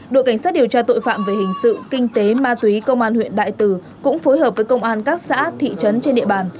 đội cảnh sát điều tra tội phạm về hình sự kinh tế ma túy công an huyện đại từ cũng phối hợp với công an các xã thị trấn trên địa bàn